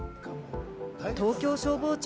東京消防庁